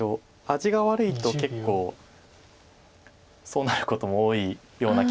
味が悪いと結構そうなることも多いような気もしますけど。